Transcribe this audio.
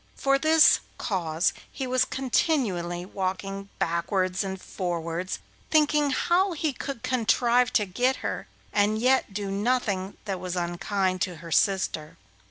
For this cause he was continually walking backwards and forwards, thinking how he could contrive to get her, and yet do nothing that was unkind to her sister.